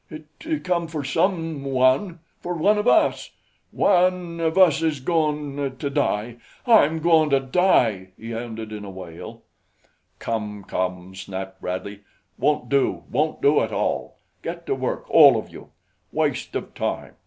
It come for some one. For one of us. One of us is goin' to die. I'm goin' to die!" he ended in a wail. "Come! Come!" snapped Bradley. "Won't do. Won't do at all. Get to work, all of you. Waste of time.